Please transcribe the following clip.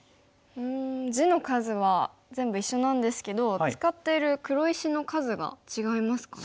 うん地の数は全部一緒なんですけど使ってる黒石の数が違いますかね。